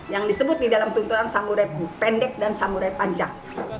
yang disebut di dalam tuntunan samude pendek dan samurai panjang